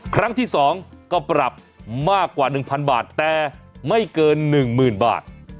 ครั้งที่๒ก็ปรับมากกว่า๑๐๐บาทแต่ไม่เกิน๑๐๐๐บาท